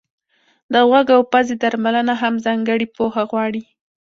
د غوږ او پزې درملنه هم ځانګړې پوهه غواړي.